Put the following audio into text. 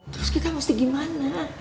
terus kita mesti gimana